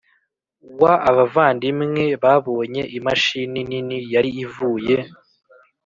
Wa abavandimwe babonye imashini nini yari ivuye